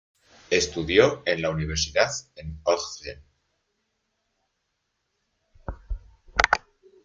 Estudió en la universidad en Ogden.